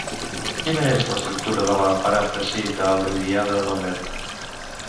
Quina és l'estructura de la paràfrasi de la Ilíada d'Homer?